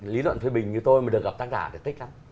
lý luận thuyền bình như tôi mà được gặp tác giả thì thích lắm